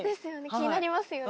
気になりますよね。